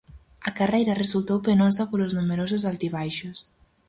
A carreira resultou penosa polos numerosos altibaixos.